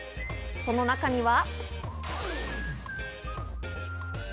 その中には。